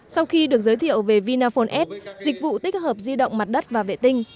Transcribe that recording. sau khi được giới thiệu về vinaphone s dịch vụ tích hợp di động mặt đất và vệ tinh